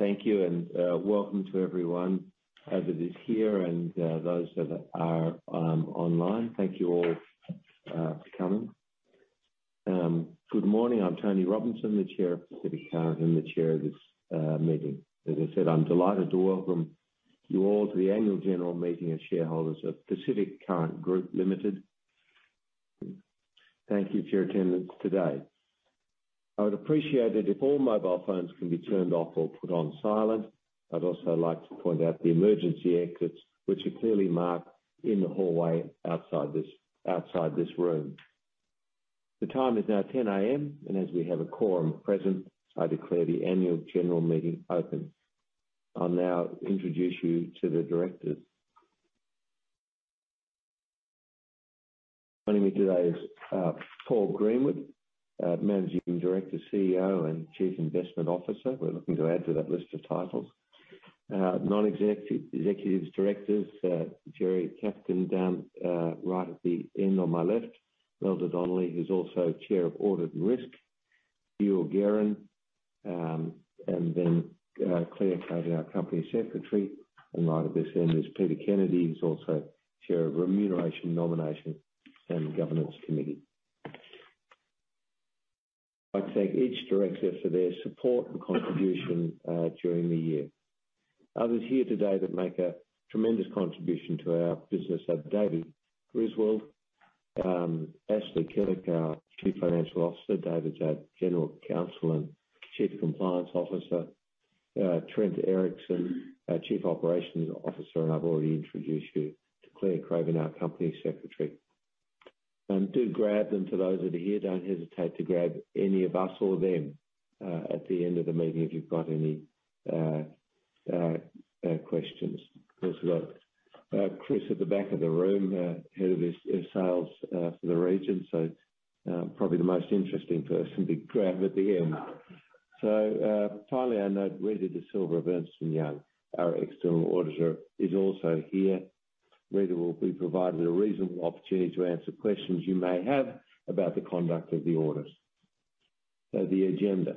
Thank you and, uh, welcome to everyone that is here and, uh, those that are, um, online. Thank you all, uh, for coming. Um, good morning. I'm Tony Robinson, the Chair of Pacific Current and the Chair of this, uh, meeting. As I said, I'm delighted to welcome you all to the annual general meeting of shareholders of Pacific Current Group Limited. Thank you for your attendance today. I would appreciate it if all mobile phones can be turned off or put on silent. I'd also like to point out the emergency exits, which are clearly marked in the hallway outside this, outside this room. The time is now 10:00 A.M., and as we have a quorum present, I declare the annual general meeting open. I'll now introduce you to the directors. Joining me today is, uh, Paul Greenwood, uh, managing director, CEO, and chief investment officer. We're looking to add to that list of titles. Non-Executive Directors, Jeremiah Chafkin down right at the end on my left. Melda Donnelly, who's also Chair of Audit and Risk. Gilles Guérin, Clare Craven, our Company Secretary. Right at this end is Peter Kennedy, who's also Chair of Remuneration, Nomination, and Governance Committee. I thank each Director for their support and contribution during the year. Others here today that make a tremendous contribution to our business are David Griswold, Ashley Killick, our Chief Financial Officer. David's our General Counsel and Chief Compliance Officer. Trent Erickson, our Chief Operating Officer, and I've already introduced you to Clare Craven, our Company Secretary. Do grab them to those that are here. Don't hesitate to grab any of us or them at the end of the meeting if you've got any questions. Also got Chris at the back of the room, Head of this in Sales for the region. Probably the most interesting person to grab at the end. Finally, I note Rita Da Silva of Ernst & Young, our External Auditor, is also here. Rita will be provided a reasonable opportunity to answer questions you may have about the conduct of the audit. The agenda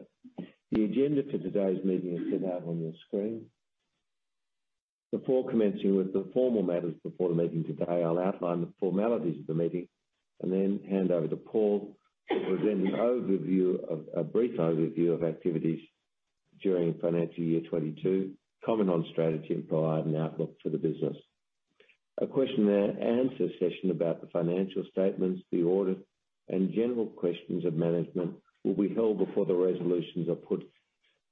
for today's meeting is set out on your screen. Before commencing with the formal matters before the meeting today, I'll outline the formalities of the meeting and then hand over to Paul to present an overview. A brief overview of activities during financial year 2022, comment on strategy, and provide an outlook for the business. A question and answer session about the financial statements, the audit, and general questions of management will be held before the resolutions are put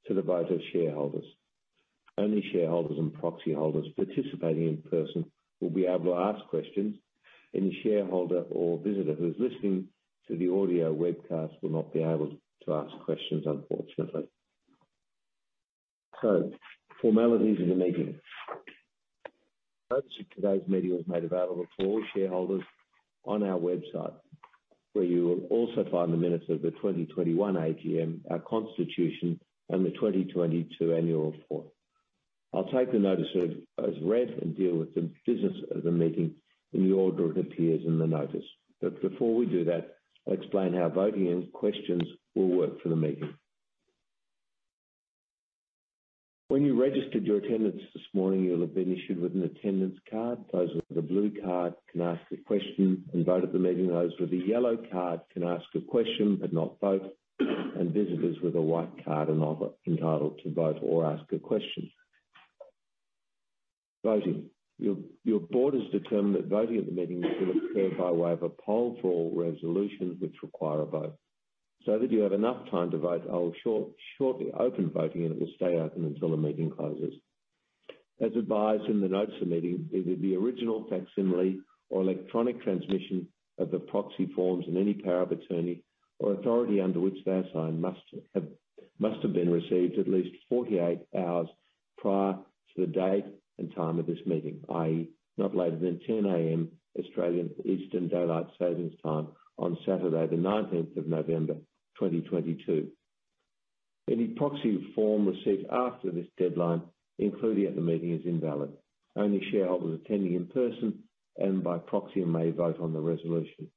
to the vote of shareholders. Only shareholders and proxy holders participating in person will be able to ask questions. Any shareholder or visitor who's listening to the audio webcast will not be able to ask questions, unfortunately. Formalities of the meeting. Notice of today's meeting was made available for all shareholders on our website, where you will also find the minutes of the 2021 AGM, our Constitution, and the 2022 Annual Report. I'll take the Notice as read and deal with the business of the meeting in the order it appears in the Notice. Before we do that, I'll explain how voting and questions will work for the meeting. When you registered your attendance this morning, you'll have been issued with an attendance card. Those with a blue card can ask a question and vote at the meeting. Those with a yellow card can ask a question, but not vote. Visitors with a white card are not entitled to vote or ask a question. Your Board has determined that voting at the meeting will occur by way of a poll for all resolutions which require a vote. That you have enough time to vote, I will shortly open voting, and it will stay open until the meeting closes. As advised in the notes of the meeting, either the original facsimile or electronic transmission of the proxy forms and any power of attorney or authority under which they're signed must have been received at least 48 hours prior to the date and time of this meeting, i.e., not later than 10:00 A.M. Australian Eastern Daylight Savings Time on Saturday the 19th of November, 2022. Any proxy form received after this deadline included at the meeting is invalid. Only shareholders attending in person and by proxy may vote on the resolution.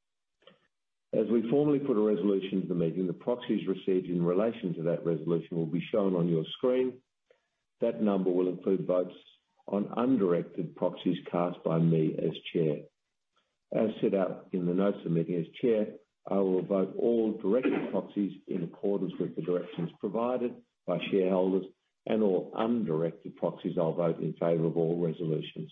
As we formally put a resolution to the meeting, the proxies received in relation to that resolution will be shown on your screen. That number will include votes on undirected proxies cast by me as Chair. As set out in the notes of the meeting, as Chair, I will vote all directed proxies in accordance with the directions provided by shareholders and all undirected proxies I'll vote in favor of all resolutions.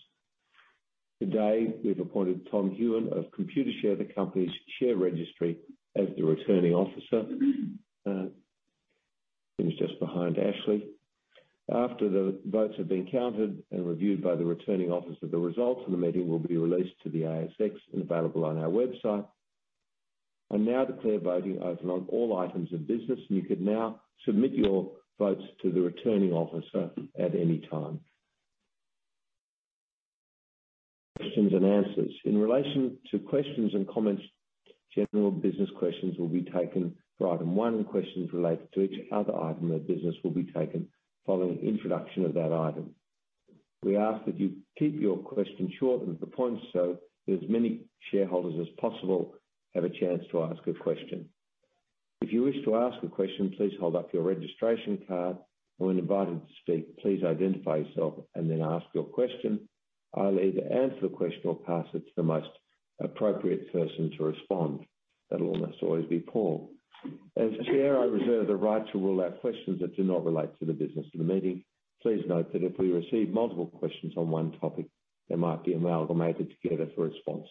Today, we've appointed Tom Hughan of Computershare, the company's share registry, as the Returning Officer. He's just behind Ashley. After the votes have been counted and reviewed by the Returning Officer, the results of the meeting will be released to the ASX and available on our website. I now declare voting open on all items of business, and you can now submit your votes to the Returning Officer at any time. Questions and answers. In relation to questions and comments, general business questions will be taken for item one, and questions related to each other item of business will be taken following introduction of that item. We ask that you keep your question short and to the point so that as many shareholders as possible have a chance to ask a question. If you wish to ask a question, please hold up your registration card, and when invited to speak, please identify yourself and then ask your question. I'll either answer the question or pass it to the most appropriate person to respond. That'll almost always be Paul. As Chair, I reserve the right to rule out questions that do not relate to the business of the meeting. Please note that if we receive multiple questions on one topic, they might be amalgamated together for a response.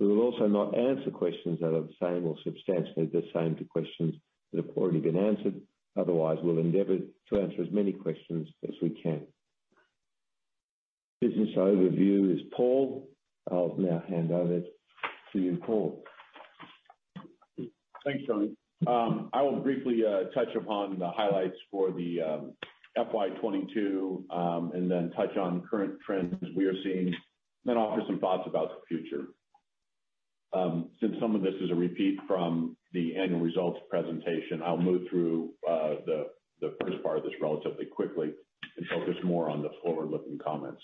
We will also not answer questions that are the same or substantially the same to questions that have already been answered. Otherwise, we'll endeavor to answer as many questions as we can. Business overview is Paul. I'll now hand over to you, Paul. Thanks, Tony. I will briefly touch upon the highlights for the FY 2022 and then touch on current trends we are seeing, then offer some thoughts about the future. Since some of this is a repeat from the annual results presentation, I'll move through the first part of this relatively quickly and focus more on the forward-looking comments.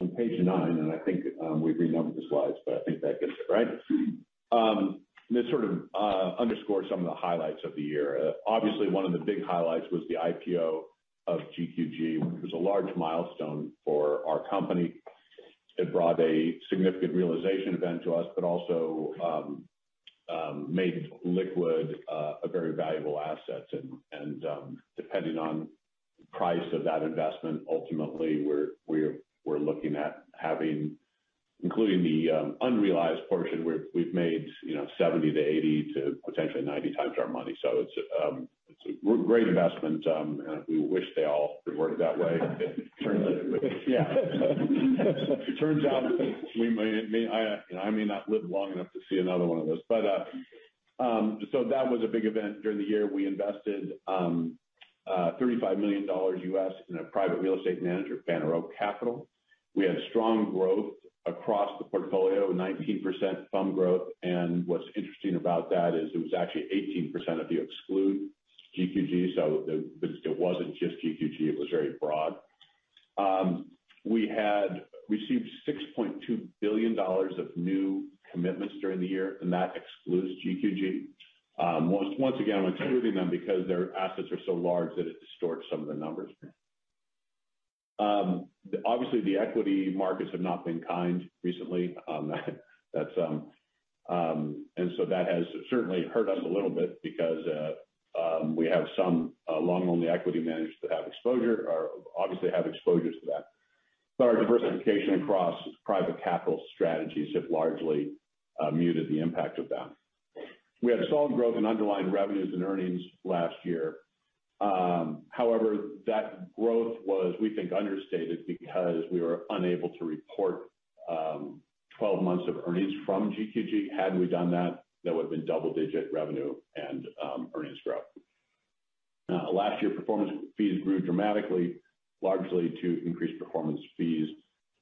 On page nine, and I think we've renumbered the slides, but I think that gets it, right? This sort of underscores some of the highlights of the year. Obviously one of the big highlights was the IPO of GQG, which was a large milestone for our company. It brought a significant realization event to us, but also made liquid a very valuable asset. Depending on price of that investment, ultimately we're looking at having, including the unrealized portion where we've made, you know, 70x-80x to potentially 90x our money. It's a great investment, and we wish they all would work that way. Turns out, yeah. Turns out, you know, I may not live long enough to see another one of those. That was a big event during the year. We invested $35 million in a private real estate manager, Pennybacker Capital. We had strong growth across the portfolio, 19% FUM growth, and what's interesting about that is it was actually 18% of the exclude GQG. It wasn't just GQG, it was very broad. We had received 6.2 billion dollars of new commitments during the year, and that excludes GQG. Once again, I'm excluding them because their assets are so large that it distorts some of the numbers. Obviously the equity markets have not been kind recently. That has certainly hurt us a little bit because we have some long-only equity managers that have exposure or obviously have exposure to that. Our diversification across private capital strategies have largely muted the impact of that. We had solid growth in underlying revenues and earnings last year. However, that growth was, we think, understated because we were unable to report 12 months of earnings from GQG. Had we done that would've been double-digit revenue and earnings growth. Last year, performance fees grew dramatically, largely to increased performance fees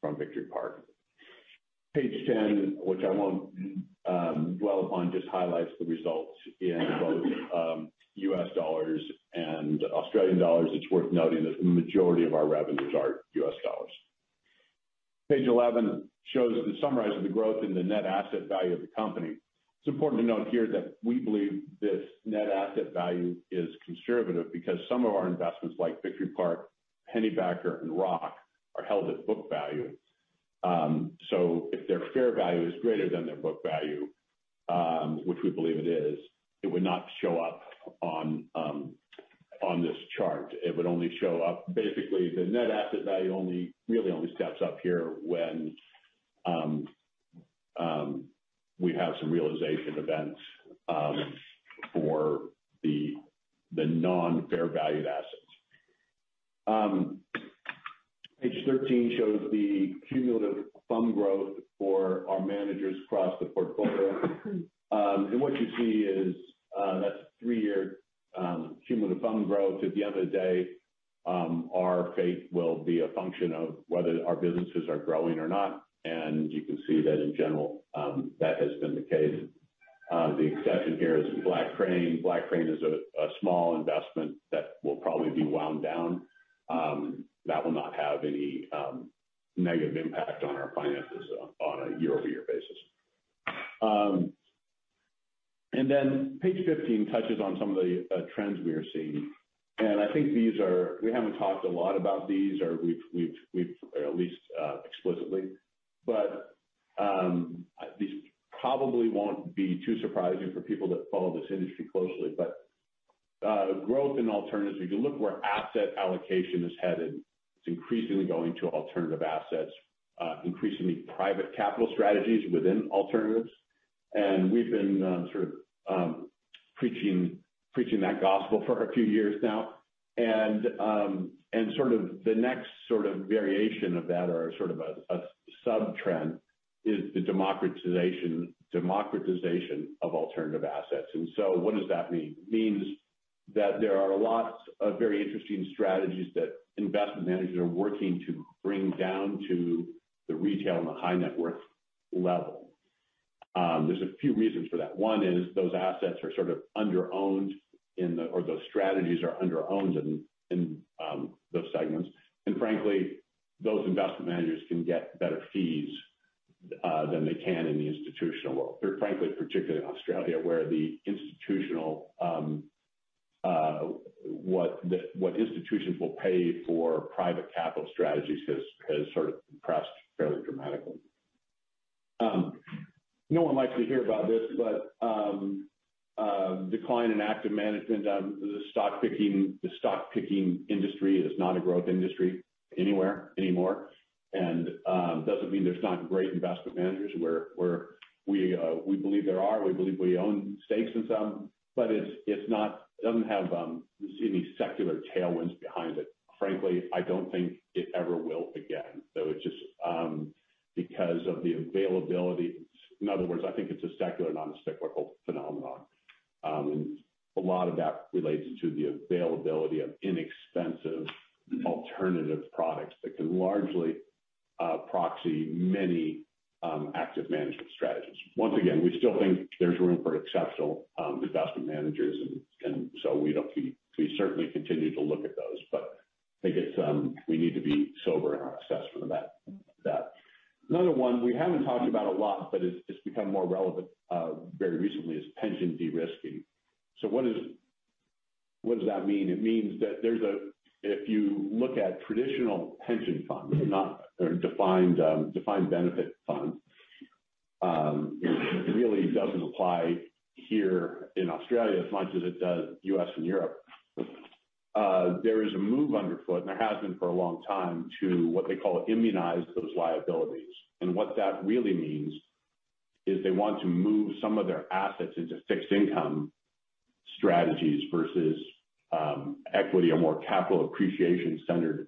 from Victory Park. Page 10, which I won't dwell upon, just highlights the results in both U.S. dollars and Australian dollars. It's worth noting that the majority of our revenues are U.S. dollars. Page 11 shows the summary of the growth in the net asset value of the company. It's important to note here that we believe this net asset value is conservative because some of our investments, like Victory Park, Pennybacker, and ROC, are held at book value. If their fair value is greater than their book value, which we believe it is, it would not show up on this chart. Basically the net asset value really only steps up here when we have some realization events for the non-fair valued assets. Page 13 shows the cumulative FUM growth for our managers across the portfolio. What you see is that's three-year cumulative FUM growth. At the end of the day, our fate will be a function of whether our businesses are growing or not, and you can see that in general, that has been the case. The exception here is Blackcrane. Blackcrane is a small investment that will probably be wound down that will not have any negative impact on our finances on a year-over-year basis. Page 15 touches on some of the trends we are seeing. We haven't talked a lot about these, or at least explicitly. These probably won't be too surprising for people that follow this industry closely. Growth in alternatives, if you look where asset allocation is headed, it's increasingly going to alternative assets, increasingly private capital strategies within alternatives. We've been sort of preaching that gospel for a few years now. Sort of the next sort of variation of that or sort of a sub-trend is the democratization of alternative assets. What does that mean? It means that there are lots of very interesting strategies that investment managers are working to bring down to the retail and the high net worth level. There's a few reasons for that. One is those assets are sort of under-owned in or those strategies are under-owned in those segments. Frankly, those investment managers can get better fees than they can in the institutional world. They're frankly, particularly in Australia, where what institutions will pay for private capital strategies has sort of compressed fairly dramatically. No one likes to hear about this, but decline in active management, the stock-picking industry is not a growth industry anywhere anymore. Doesn't mean there's not great investment managers where we believe there are, we believe we own stakes in some, but it doesn't have any secular tailwinds behind it. Frankly, I don't think it ever will again because of the availability. In other words, I think it's a secular non-cyclical phenomenon. A lot of that relates to the availability of inexpensive alternative products that can largely proxy many active management strategies. Once again, we still think there's room for exceptional investment managers. We certainly continue to look at those. We need to be sober in our assessment of that. Another one we haven't talked about a lot, but it's become more relevant very recently, is pension de-risking. What does that mean? If you look at traditional pension funds or defined benefit funds, it really doesn't apply here in Australia as much as it does U.S. and Europe. There is a move underfoot, and there has been for a long time, to what they call immunize those liabilities. What that really means is they want to move some of their assets into fixed income strategies versus equity or more capital appreciation-centered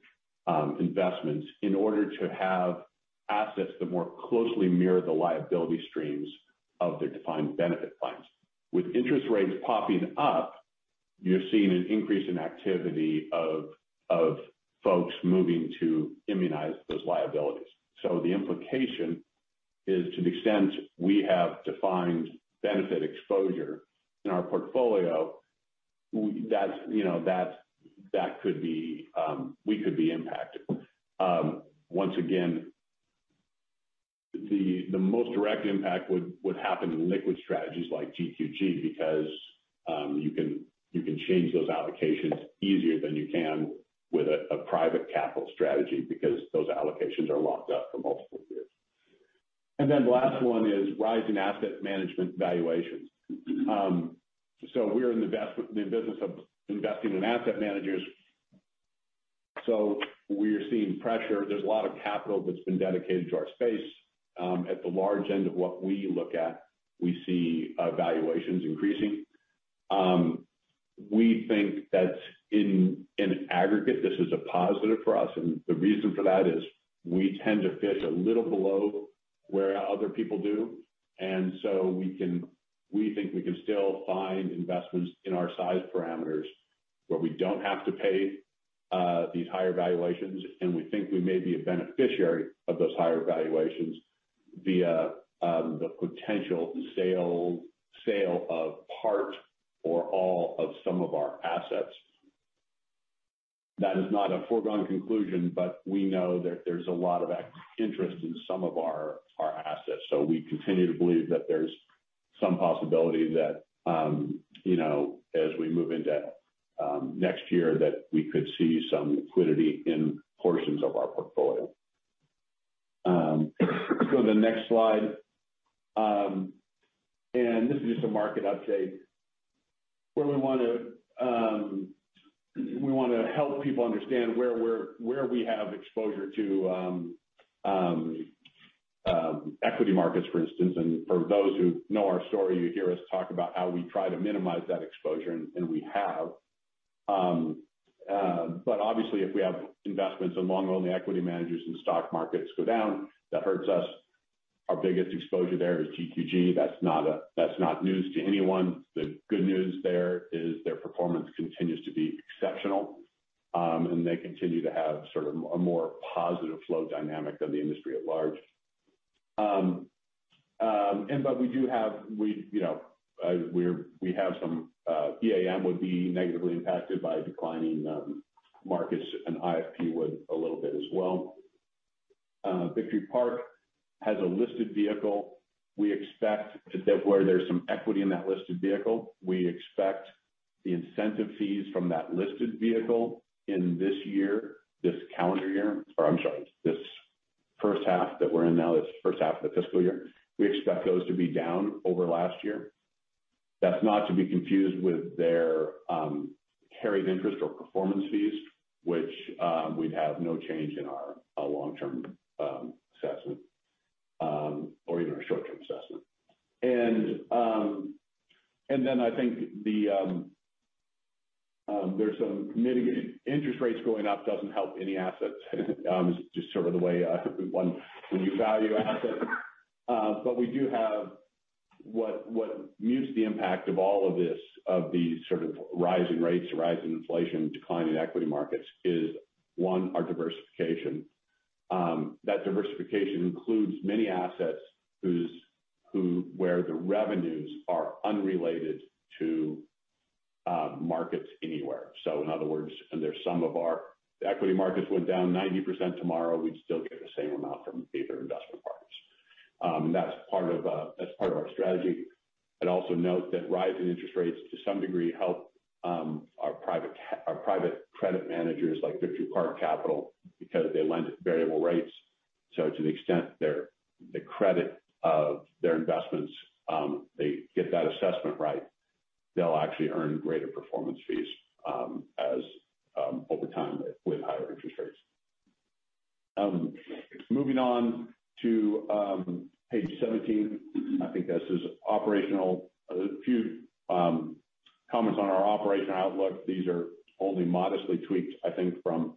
investments in order to have assets that more closely mirror the liability streams of their defined benefit plans. With interest rates popping up, you're seeing an increase in activity of folks moving to immunize those liabilities. The implication is to the extent we have defined benefit exposure in our portfolio, you know, we could be impacted. Once again, the most direct impact would happen in liquid strategies like GQG because you can change those allocations easier than you can with a private capital strategy because those allocations are locked up for multiple years. The last one is rising asset management valuations. We're in the business of investing in asset managers, so we're seeing pressure. There's a lot of capital that's been dedicated to our space. At the large end of what we look at, we see valuations increasing. We think that in aggregate, this is a positive for us, and the reason for that is we tend to fit a little below where other people do. We think we can still find investments in our size parameters, where we don't have to pay these higher valuations, and we think we may be a beneficiary of those higher valuations via the potential sale of part or all of some of our assets. That is not a foregone conclusion, but we know that there's a lot of interest in some of our assets. We continue to believe that there's some possibility that, you know, as we move into next year, that we could see some liquidity in portions of our portfolio. Go to the next slide. This is just a market update where we wanna help people understand where we have exposure to equity markets, for instance. For those who know our story, you hear us talk about how we try to minimize that exposure, and we have. Obviously, if we have investments in long-only equity managers and stock markets go down, that hurts us. Our biggest exposure there is GQG. That's not news to anyone. The good news there is their performance continues to be exceptional, and they continue to have sort of a more positive flow dynamic than the industry at large. We, you know, have some, EAM would be negatively impacted by declining markets, and IFP would a little bit as well. Victory Park has a listed vehicle. We expect that where there's some equity in that listed vehicle, we expect the incentive fees from that listed vehicle in this first half that we're in now of the fiscal year, we expect those to be down over last year. That's not to be confused with their carried interest or performance fees, which we'd have no change in our long-term assessment or even our short-term assessment. There's some mitigating. Interest rates going up doesn't help any assets. Just sort of the way when you value assets. What mutes the impact of all of this, of the sort of rising rates, rising inflation, decline in equity markets is, one, our diversification. That diversification includes many assets where the revenues are unrelated to markets anywhere. In other words, the equity markets went down 90% tomorrow, we'd still get the same amount from the other investment partners. That's part of our strategy. I'd also note that rising interest rates to some degree help our private credit managers like Victory Park Capital because they lend at variable rates. To the extent the credit of their investments, they get that assessment right, they'll actually earn greater performance fees over time with higher interest rates. Moving on to page 17. I think this is operational. A few comments on our operational outlook. These are only modestly tweaked, I think, from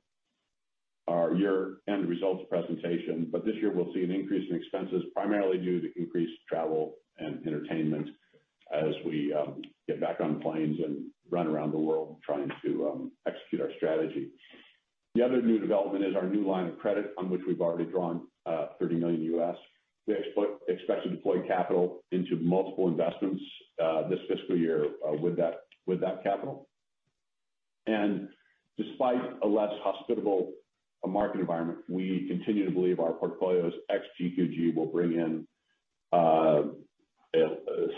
our year-end results presentation. This year we'll see an increase in expenses primarily due to increased travel and entertainment as we get back on planes and run around the world trying to execute our strategy. The other new development is our new line of credit on which we've already drawn $30 million. We expect to deploy capital into multiple investments this fiscal year with that capital. Despite a less hospitable market environment, we continue to believe our portfolios ex GQG will bring in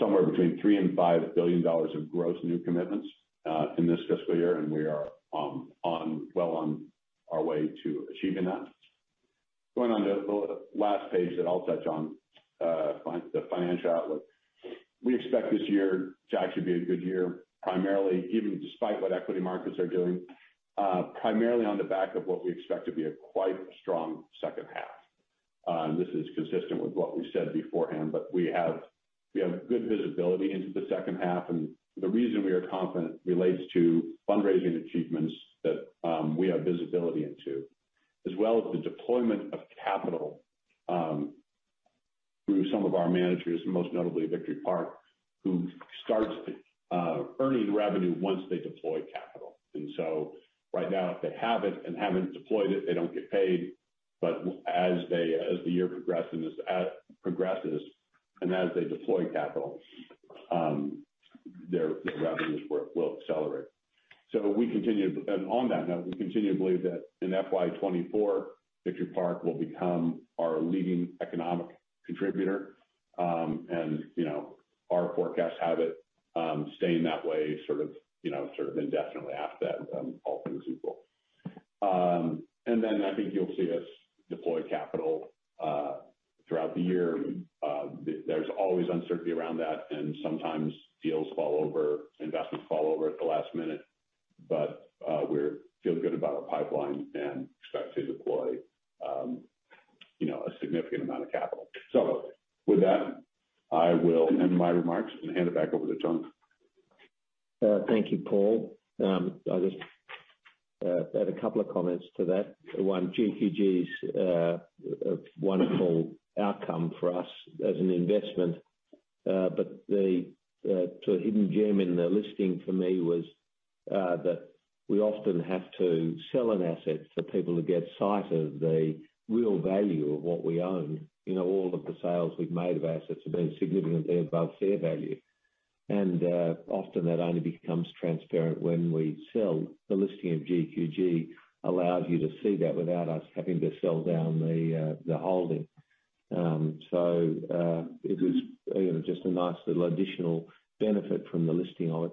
somewhere between $3 billion and $5 billion of gross new commitments in this fiscal year. We are well on our way to achieving that. Going on to the last page that I'll touch on, the financial outlook. We expect this year to actually be a good year, primarily even despite what equity markets are doing, primarily on the back of what we expect to be a quite strong second half. This is consistent with what we said beforehand. We have good visibility into the second half. The reason we are confident relates to fundraising achievements that we have visibility into, as well as the deployment of capital through some of our managers, most notably Victory Park, who starts earning revenue once they deploy capital. Right now, if they have it and haven't deployed it, they don't get paid. As the year progresses and as they deploy capital, their revenues will accelerate. `On that note, we continue to believe that in FY 2024, Victory Park will become our leading economic contributor. You know, our forecasts have it staying that way, you know, sort of indefinitely. After that, all things equal. And then I think you'll see us deploy capital throughout the year. There's always uncertainty around that, and sometimes deals fall over, investments fall over at the last minute. But we feel good about our pipeline and expect to deploy a significant amount of capital. So with that, I will end my remarks and hand it back over to Tony. Thank you, Paul. I'll just add a couple of comments to that. One, GQG's a wonderful outcome for us as an investment. The hidden gem in the listing for me was that we often have to sell an asset for people to get sight of the real value of what we own. You know, all of the sales we've made of assets have been significantly above fair value. Often that only becomes transparent when we sell. The listing of GQG allows you to see that without us having to sell down the holding. It was, you know, just a nice little additional benefit from the listing of it.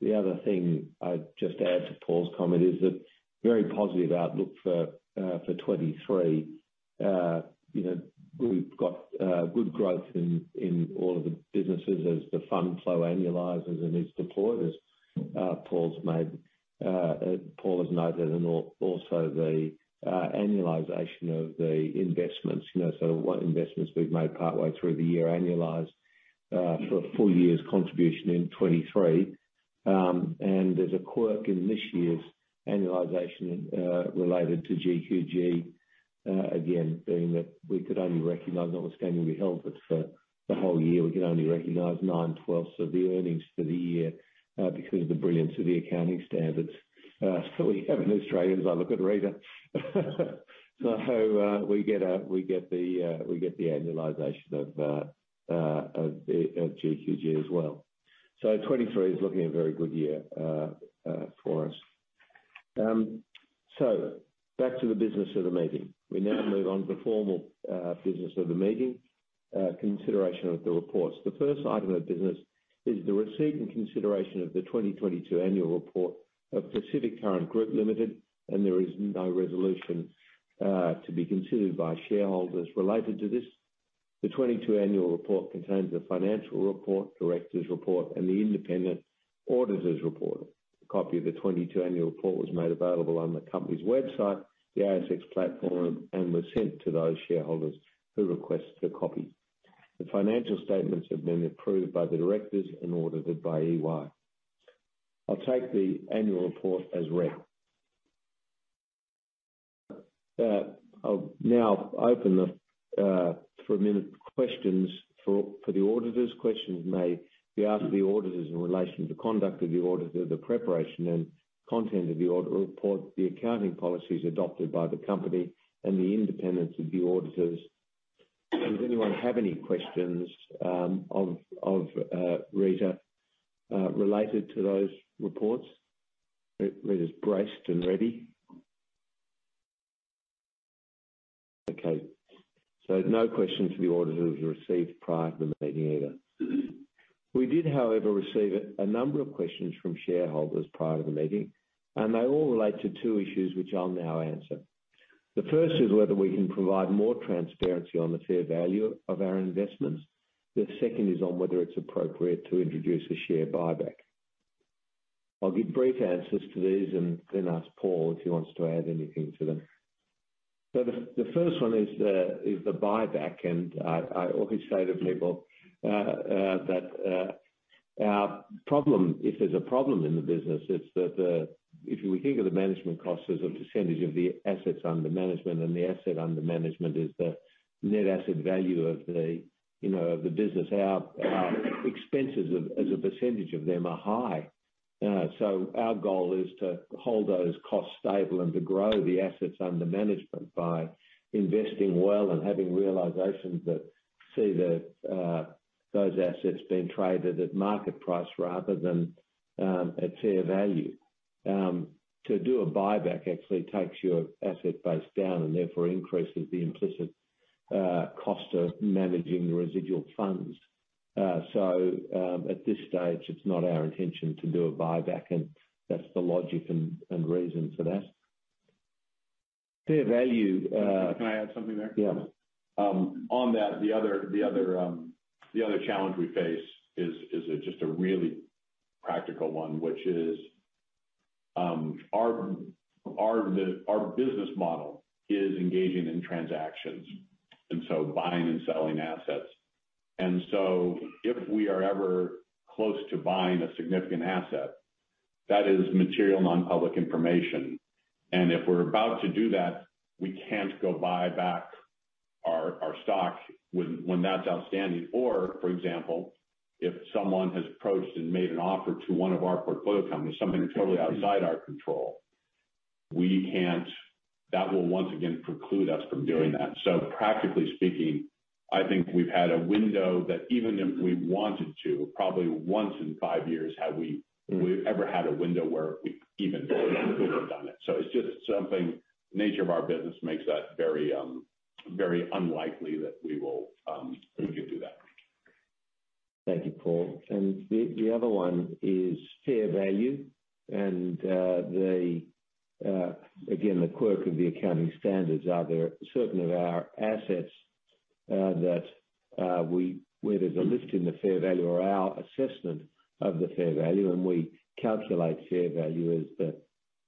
The other thing I'd just add to Paul's comment is a very positive outlook for 2023. You know, we've got good growth in all of the businesses as the fund flow annualizes and is deployed, as Paul has noted. Also the annualization of the investments. You know, what investments we've made partway through the year annualize for a full year's contribution in 2023. There's a quirk in this year's annualization related to GQG, again, being that we could only recognize what was going to be held, but for the whole year, we could only recognize 9/12 of the earnings for the year because of the brilliance of the accounting standards that we have in Australia, as I look at Rita. We get the annualization of GQG as well. 2023 is looking a very good year for us. Back to the business of the meeting. We now move on to the formal business of the meeting, consideration of the reports. The first item of business is the receipt and consideration of the 2022 Annual Report of Pacific Current Group Limited, and there is no resolution to be considered by shareholders related to this. The 2022 Annual Report contains a Financial Report, Directors' Report, and the Independent Auditor's Report. A copy of the 2022 Annual Report was made available on the company's website, the ASX platform, and was sent to those shareholders who requested a copy. The financial statements have been approved by the directors and audited by EY. I'll take the Annual Report as read. I'll now open for a minute questions for the auditors. Questions may be asked of the auditors in relation to conduct of the auditor, the preparation and content of the audit report, the accounting policies adopted by the company and the independence of the auditors. Does anyone have any questions of Rita related to those reports? Rita's braced and ready. Okay. No question to the auditors received prior to the meeting either. We did, however, receive a number of questions from shareholders prior to the meeting, and they all relate to two issues which I'll now answer. The first is whether we can provide more transparency on the fair value of our investments. The second is on whether it's appropriate to introduce a share buyback. I'll give brief answers to these and then ask Paul if he wants to add anything to them. The first one is the buyback. I always say to people that our problem, if there's a problem in the business, it's that if we think of the management costs as a percentage of the assets under management and the asset under management is the net asset value, you know, of the business, our expenses as a percentage of them are high. Our goal is to hold those costs stable and to grow the assets under management by investing well and having realizations that see those assets being traded at market price rather than at fair value. To do a buyback actually takes your asset base down and therefore increases the implicit cost of managing the residual funds. At this stage, it's not our intention to do a buyback, and that's the logic and reason for that. Can I add something there? Yeah. On that, the other challenge we face is just a really practical one, which is our business model is engaging in transactions, and so buying and selling assets. If we are ever close to buying a significant asset, that is material non-public information. If we're about to do that, we can't go buy back our stock when that's outstanding. For example, if someone has approached and made an offer to one of our portfolio companies, something totally outside our control, that will once again preclude us from doing that. Practically speaking, I think we've had a window that even if we wanted to, probably once in five years. Mm-hmm. We've ever had a window where we even could have done it. It's just something. Nature of our business makes that very unlikely that we could do that. Thank you, Paul. The other one is fair value and again, the quirk of the accounting standards are there are certain of our assets where there's a lift in the fair value or our assessment of the fair value, and we calculate fair value as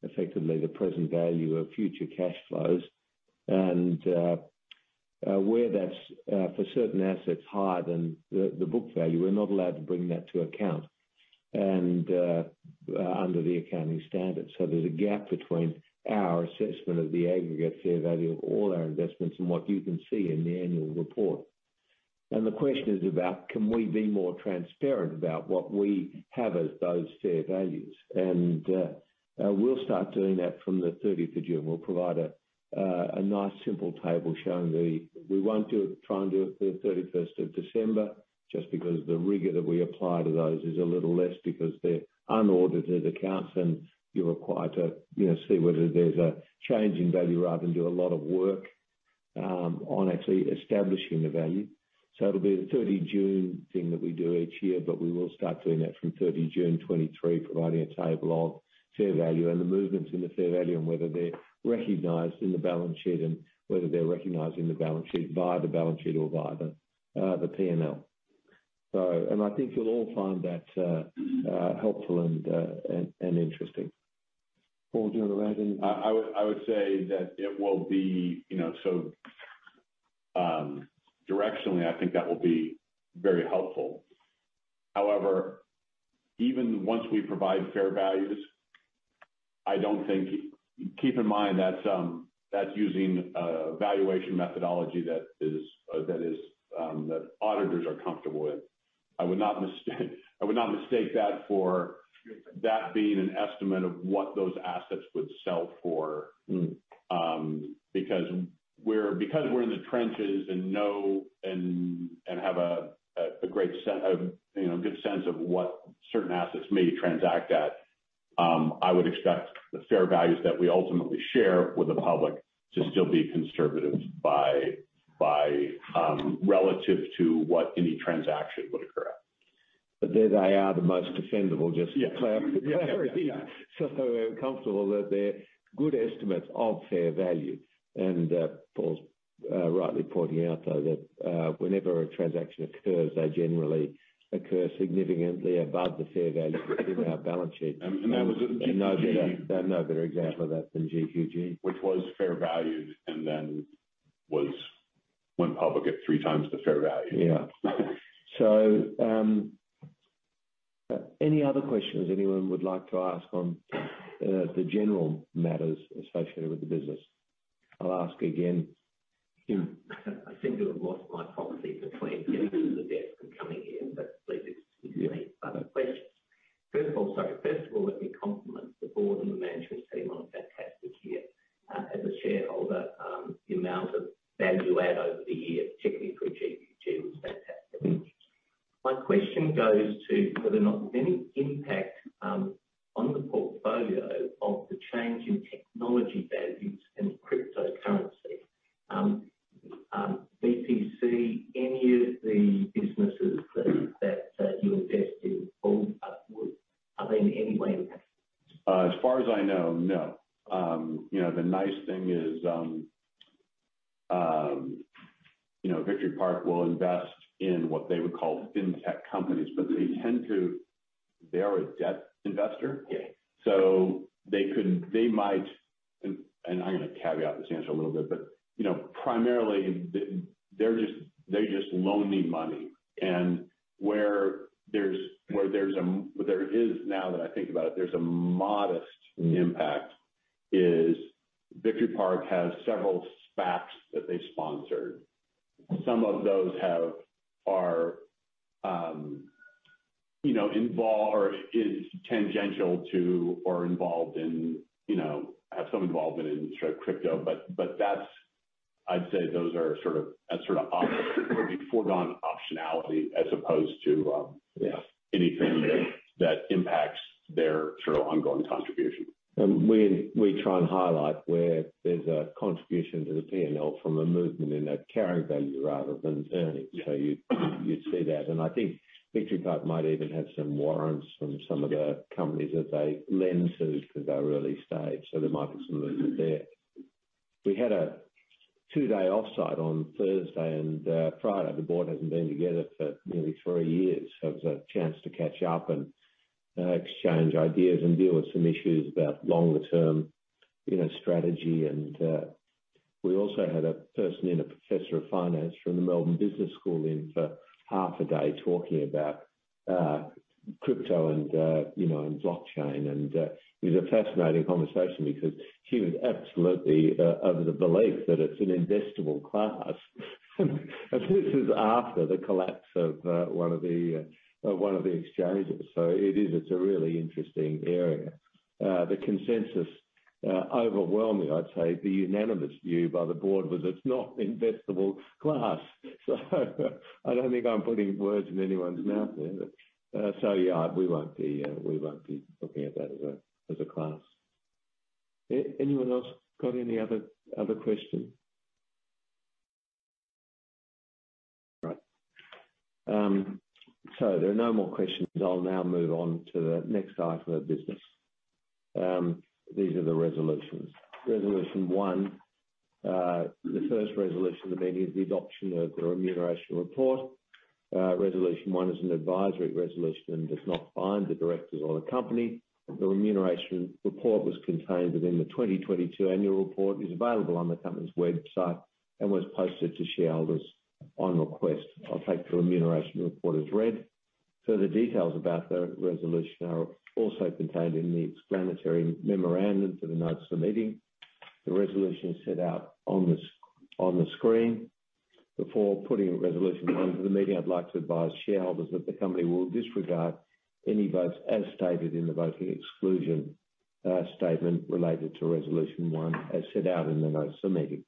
effectively the present value of future cash flows. Where that's for certain assets higher than the book value, we're not allowed to bring that to account under the accounting standards. There's a gap between our assessment of the aggregate fair value of all our investments and what you can see in the annual report. The question is about, can we be more transparent about what we have as those fair values? We'll start doing that from the 30 of June. We'll provide a nice simple table. We won't try and do it for 31st of December just because the rigor that we apply to those is a little less because they're unaudited accounts, and you're required to, you know, see whether there's a change in value rather than do a lot of work on actually establishing the value. It'll be the 30 June thing that we do each year, but we will start doing that from 30 June 2023, providing a table of fair value and the movements in the fair value and whether they're recognized in the balance sheet via the balance sheet or via the P&L. I think you'll all find that helpful and interesting. Paul, do you want to add anything? I would say that it will be. You know, directionally, I think that will be very helpful. However, even once we provide fair values, I don't think. Keep in mind that's using a valuation methodology that auditors are comfortable with. I would not mistake that for that being an estimate of what those assets would sell for. Mm. Because we're in the trenches and know and have a, you know, good sense of what certain assets may transact at, I would expect the fair values that we ultimately share with the public to still be conservative by relative to what any transaction would occur at. They are the most defendable, just for clarity. Yeah. We're comfortable that they're good estimates of fair value. Paul's rightly pointing out, though, that whenever a transaction occurs, they generally occur significantly above the fair value within our balance sheet. That was at GQG. No better example of that than GQG. Which was fair valued and then went public at 3x the fair value. Yeah. Any other questions anyone would like to ask on the general matters associated with the business? I'll ask again, Jim. I seem to have lost my proxy between getting to the desk and coming here, but please excuse me. Yeah. Other questions. First of all, sorry. First of all, let me compliment the Board and the management team on a fantastic year. As a shareholder, the amount of value add over the year, particularly through GQG, was fantastic. My question goes to whether or not there's any impact on the portfolio of the change in technology values and cryptocurrency, BTC, any of the businesses that you invest in or have been anywhere impacted? As far as I know, no. You know, the nice thing is, you know, Victory Park will invest in what they would call fintech companies. They're a debt investor. Yeah. They might, and I'm gonna caveat this answer a little bit, but, you know, primarily they're just loaning money. Where there is, now that I think about it, there's a modest impact, is Victory Park has several SPACs that they've sponsored. Some of those are, you know, is tangential to or involved in, you know, have some involvement in sort of crypto. That's, I'd say those are sort of would be foregone optionality as opposed to. Yeah. Anything that impacts their sort of ongoing contribution. We try and highlight where there's a contribution to the P&L from a movement in that carrying value rather than earnings. Yeah. You'd see that. I think Victory Park might even have some warrants from some of the companies that they lend to, 'cause they're early stage. There might be some movement there. We had a two-day offsite on Thursday and Friday. The Board hasn't been together for nearly three years, so it was a chance to catch up and exchange ideas and deal with some issues about longer-term, you know, strategy. We also had a person in, a professor of finance from the Melbourne Business School in for half a day talking about crypto, you know, and blockchain. It was a fascinating conversation because she was absolutely of the belief that it's an investable class. This is after the collapse of one of the exchanges. It is, it's a really interesting area. The consensus, overwhelmingly, I'd say the unanimous view by the Board was it's not investable class. I don't think I'm putting words in anyone's mouth there. We won't be looking at that as a class. Anyone else got any other questions? Right. There are no more questions. I'll now move on to the next item of business. These are the resolutions. Resolution 1. The first resolution of the meeting is the adoption of the remuneration report. Resolution 1 is an advisory resolution and does not bind the directors or the company. The remuneration report was contained within the 2022 Annual Report, is available on the company's website and was posted to shareholders on request. I'll take the remuneration report as read. Further details about the resolution are also contained in the explanatory memorandum to the notes of the meeting. The resolution is set out on the s- on the screen. Before putting resolution one to the meeting, I'd like to advise shareholders that the company will disregard any votes as stated in the voting exclusion, uh, statement related to resolution one, as set out in the notes of the meeting.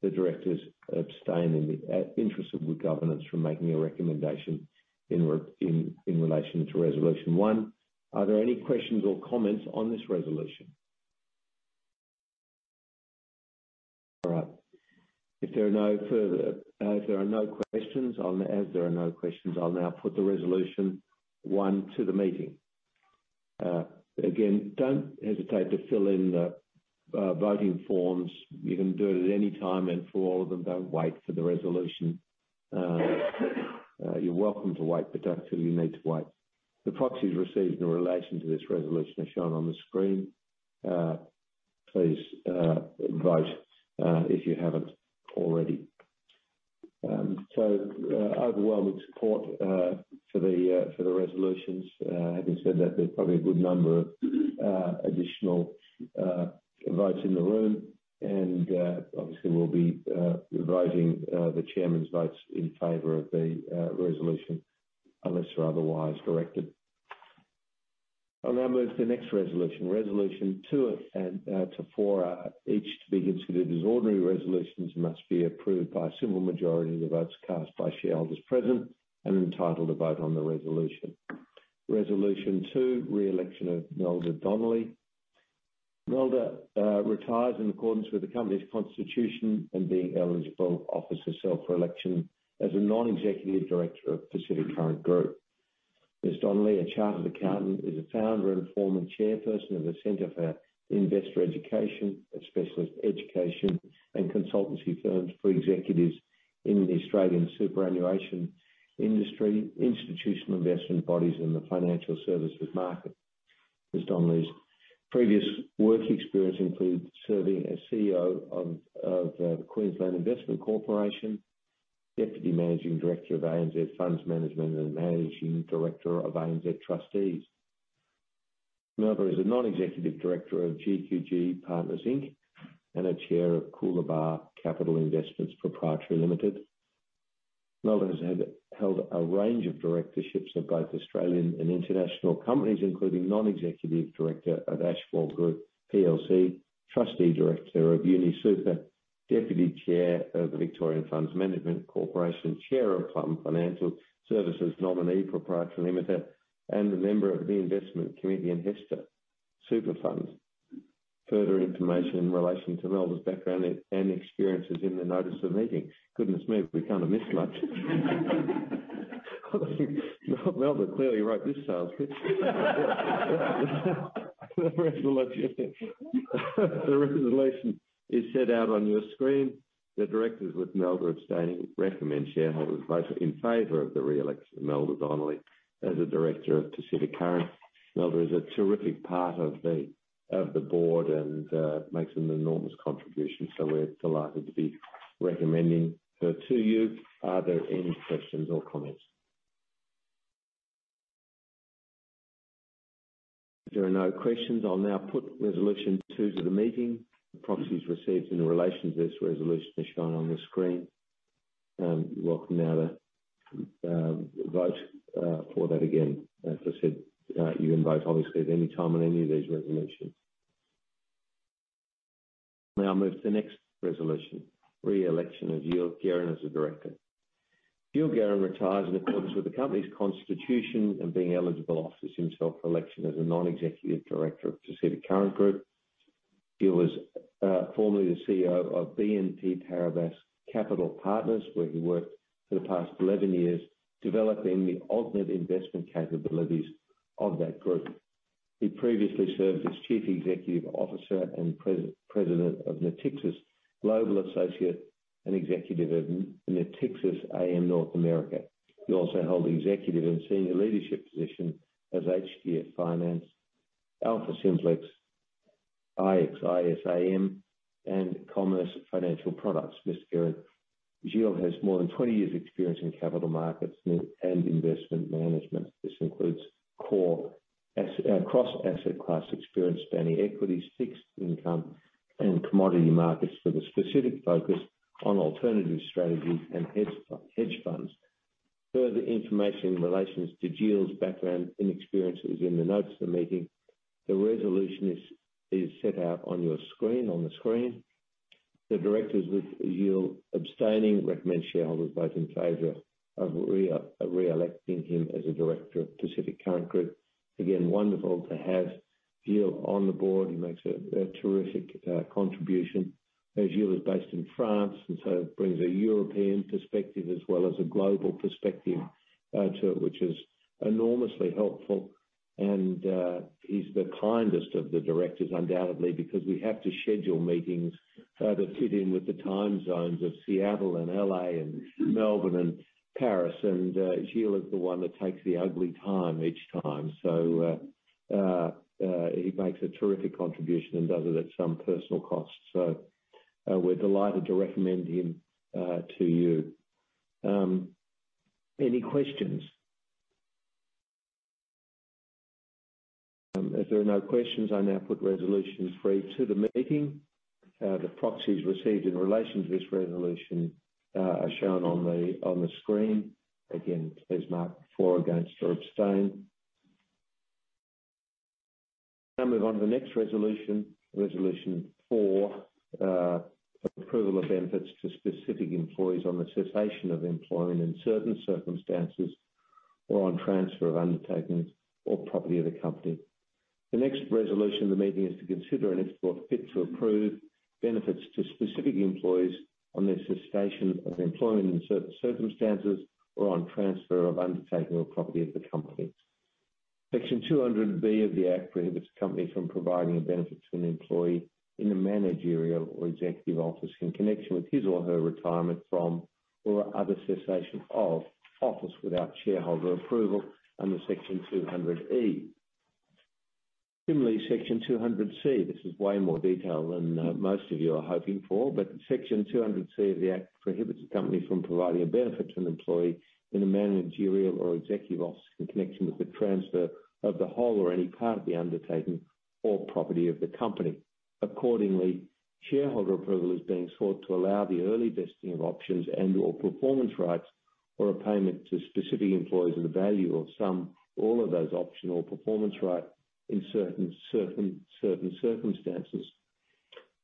The directors abstain in the, uh, interest of good governance from making a recommendation in re- in relation to resolution one. Are there any questions or comments on this resolution? All right. If there are no further, uh, if there are no questions, I'll, as there are no questions, I'll now put the resolution one to the meeting. Uh, again, don't hesitate to fill in the, uh, voting forms. You can do it at any time and for all of them. Don't wait for the resolution. You're welcome to wait, but don't feel you need to wait. The proxies received in relation to this resolution are shown on the screen. Please vote if you haven't already. Overwhelming support for the resolutions. Having said that, there's probably a good number of additional votes in the room. Obviously we'll be voting the Chairman's votes in favor of the resolution unless we're otherwise directed. I'll now move to the next resolution. Resolution 2 to 4, each to be considered as ordinary resolutions must be approved by a simple majority of the votes cast by shareholders present and entitled to vote on the resolution. Resolution 2, re-election of Melda Donnelly. Melda retires in accordance with the company's constitution and being eligible, offers herself for election as a Non-Executive Director of Pacific Current Group. Ms. Donnelly, a Chartered Accountant, is a founder and former Chairperson of the Centre for Investor Education, a specialist education and consultancy firms for executives in the Australian superannuation industry, institutional investment bodies, and the financial services market. Ms. Donnelly's previous work experience includes serving as CEO of the Queensland Investment Corporation, Deputy Managing Director of ANZ Funds Management, and Managing Director of ANZ Trustees. Melda is a Non-Executive Director of GQG Partners Inc., and a Chair of Coolabah Capital Investments Proprietary Limited. Melda held a range of directorships of both Australian and international companies, including Non-Executive Director of Ashmore Group plc, Trustee Director of UniSuper, Deputy Chair of the Victorian Funds Management Corporation, Chair of Plum Financial Services Nominee Pty Ltd, and a member of the Investment Committee in HESTA Superfund. Further information in relation to Melda's background and experiences in the notice of meetings. Goodness me, we can't have missed much. Melda clearly wrote this sales pitch. The resolution is set out on your screen. The directors, with Melda abstaining, recommend shareholders vote in favor of the re-election of Melda Donnelly as a Director of Pacific Current. Melda is a terrific part of the Board and makes an enormous contribution, so we're delighted to be recommending her to you. Are there any questions or comments? If there are no questions, I'll now put Resolution 2 to the meeting. The proxies received in relation to this resolution is shown on the screen. Welcome now to vote for that again. As I said, you can vote obviously at any time on any of these resolutions. Now I'll move to the next resolution, re-election of Gilles Guérin as a Director. Gilles Guérin retires in accordance with the company's constitution and being eligible offers himself for election as a Non-Executive Director of Pacific Current Group. Gilles was formerly the CEO of BNP Paribas Capital Partners, where he worked for the past 11 years, developing the alternate investment capabilities of that group. He previously served as Chief Executive Officer and President of Natixis Global Associates and Executive of Natixis AM North America. He also held executive and senior leadership position as HDF Finance, AlphaSimplex, IXIS AM, and Commerz Financial Products. Mr. Guérin, Gilles has more than 20 years' experience in capital markets and investment management. This includes core cross-asset class experience spanning equities, fixed income, and commodity markets with a specific focus on alternative strategies and hedge funds. Further information in relations to Gilles' background and experience is in the notes of the meeting. The resolution is set out on the screen. The directors, with Gilles abstaining, recommend shareholders vote in favor of re-electing him as a director of Pacific Current Group. Again, wonderful to have Gilles on the Board. He makes a terrific contribution, as Gilles is based in France, and so brings a European perspective as well as a global perspective to it, which is enormously helpful. He's the kindest of the directors, undoubtedly, because we have to schedule meetings that fit in with the time zones of Seattle and L.A. and Melbourne and Paris. Gilles is the one that takes the ugly time each time. He makes a terrific contribution and does it at some personal cost. We're delighted to recommend him to you. Any questions? If there are no questions, I now put Resolution three to the meeting. The proxies received in relation to this resolution are shown on the screen. Again, please mark for or against or abstain. Now move on to the next resolution, Resolution four, approval of benefits to specific employees on the cessation of employment in certain circumstances or on transfer of undertakings or property of the company. The next resolution of the meeting is to consider and, if thought fit, to approve benefits to specific employees on the cessation of employment in certain circumstances or on transfer of undertaking or property of the company. Section 200B of the Act prohibits a company from providing a benefit to an employee in a managerial or executive office in connection with his or her retirement from or other cessation of office without shareholder approval under Section 200E. Similarly, Section 200C, this is way more detailed than most of you are hoping for, but Section 200C of the Act prohibits a company from providing a benefit to an employee in a managerial or executive office in connection with the transfer of the whole or any part of the undertaking or property of the company. Accordingly, shareholder approval is being sought to allow the early vesting of options and/or performance rights or a payment to specific employees of the value of some or all of those option or performance right in certain circumstances.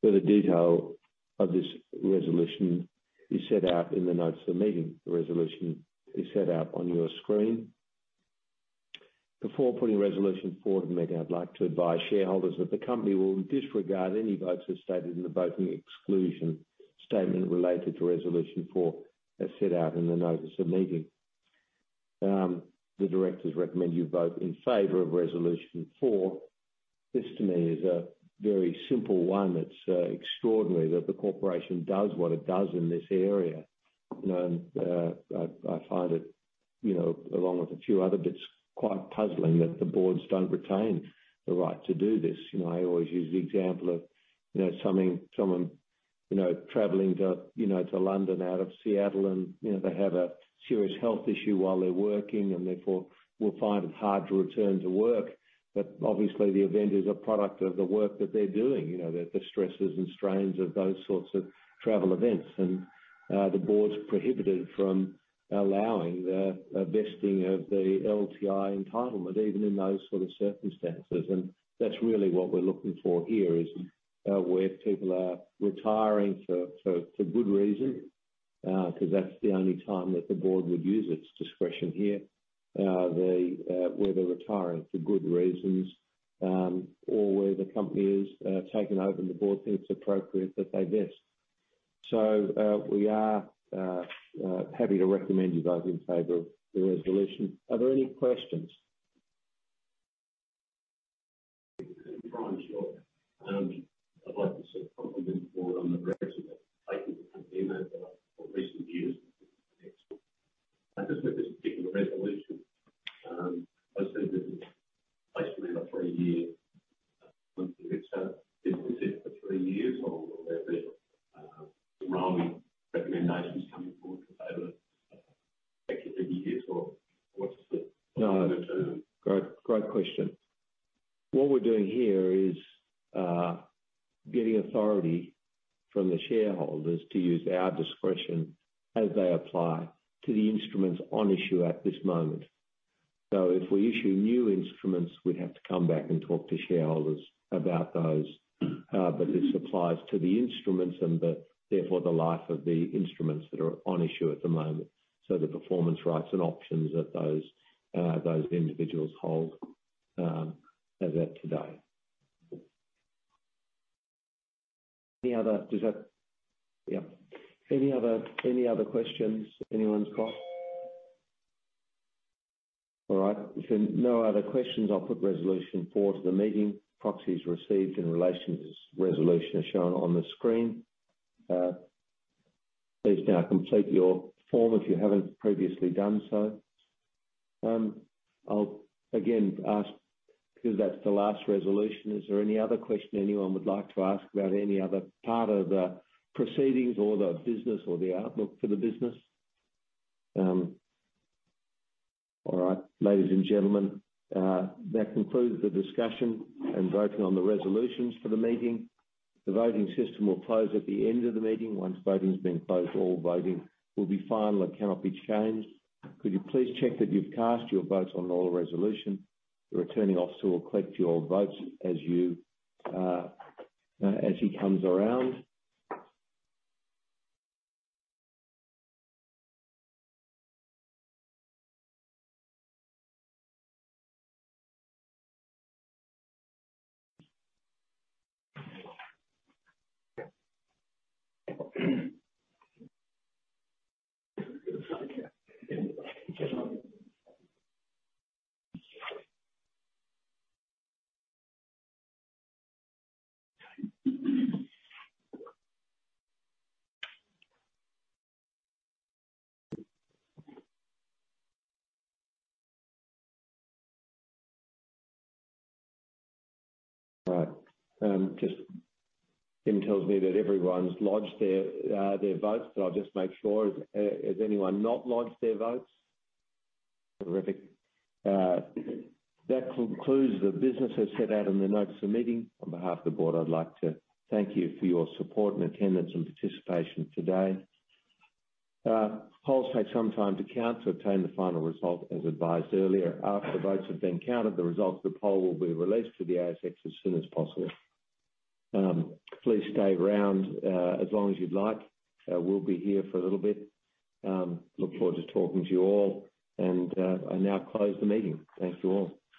Further detail of this resolution is set out in the notes of the meeting. The resolution is set out on your screen. Before putting Resolution four to the meeting, I'd like to advise shareholders that the company will disregard any votes as stated in the Voting Exclusion Statement related to Resolution 4, as set out in the Notice of Meeting. The directors recommend you vote in favor of Resolution 4. This, to me, is a very simple one. It's extraordinary that the corporation does what it does in this area. You know, I find it, you know, along with a few other bits, quite puzzling that the Boards don't retain the right to do this. You know, I always use the example of, you know, someone, you know, traveling to, you know, London out of Seattle and, you know, they have a serious health issue while they're working and therefore will find it hard to return to work. Obviously the event is a product of the work that they're doing, you know, the stresses and strains of those sorts of travel events. The Board's prohibited from allowing the vesting of the LTI entitlement even in those sort of circumstances. That's really what we're looking for here is where people are retiring for good reason because that's the only time that the Board would use its discretion here, where they're retiring for good reasons or where the company is taken over and the Board thinks it's appropriate that they vest. We are happy to recommend you vote in favor of the resolution. Are there any questions? Brian Short. I'd like to say compliment the Board on the progress that they've taken the company over for recent years. Excellent. Just with this particular resolution, I see that it's placement of three years. Is this it for three years or will there be annual recommendations coming forward for the able executive years or what's the term? No. Great question. What we're doing here is getting authority from the shareholders to use our discretion as they apply to the instruments on issue at this moment. If we issue new instruments, we'd have to come back and talk to shareholders about those. This applies to the instruments and therefore the life of the instruments that are on issue at the moment. The performance rights and options that those individuals hold as at today. Does that? Yeah. Any other questions anyone's got? All right. If there are no other questions, I'll put resolution forward to the meeting. Proxies received in relation to this resolution are shown on the screen. Please now complete your form if you haven't previously done so. I'll again ask, because that's the last resolution, is there any other question anyone would like to ask about any other part of the proceedings or the business or the outlook for the business? All right. Ladies and gentlemen, that concludes the discussion and voting on the resolutions for the meeting. The voting system will close at the end of the meeting. Once voting has been closed, all voting will be final and cannot be changed. Could you please check that you've cast your votes on all resolutions? The Returning Officer will collect your votes as he comes around. Right. Just Tim tells me that everyone's lodged their votes. I'll just make sure. Has anyone not lodged their votes? Terrific. That concludes the business as set out in the notice of meeting. On behalf of the Board, I'd like to thank you for your support and attendance and participation today. Polls take some time to count to obtain the final result as advised earlier. After the votes have been counted, the results of the poll will be released to the ASX as soon as possible. Please stay around as long as you'd like. We'll be here for a little bit. Look forward to talking to you all. I now close the meeting. Thank you all.